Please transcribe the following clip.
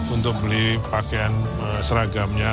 untuk beli pakaian seragamnya